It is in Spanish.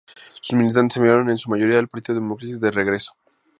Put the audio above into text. Sus militantes emigraron, en su mayoría, al Partido Democrático de regreso.